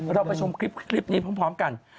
เราไปชมคลิปนี้พร้อมกัน